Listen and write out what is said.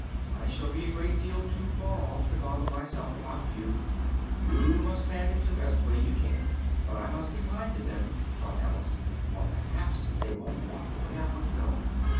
I shall be a great deal too far off to bother myself about you: you must manage the best way you can but I must be kind to them," thought Alice, "or perhaps they won't walk the way I want to go!